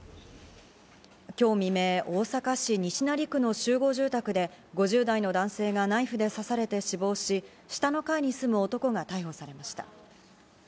今日未明、大阪市西成区の集合住宅で５０代の男性がナイフで刺されて死亡し、下の階に住む男が逮捕されました。